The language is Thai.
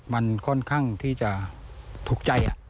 มันค่อนข้างที่จะถูกใจ